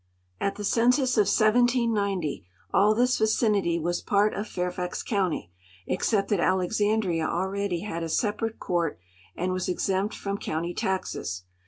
At the census of 1790 all this A'icinity Avas part of Fairfax county, except that Alexandria already had a sc*i)arate court and Avas exempt from county taxes.